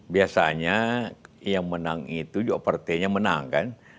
biasanya yang menang itu juga partainya menang kan